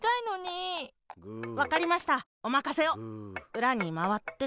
うらにまわってと。